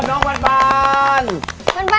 ขอบคุณค่ะ